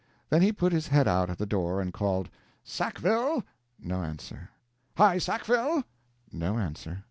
Then he put his head out at the door and called: "Sackville!" No answer. "Hi Sackville!" No answer.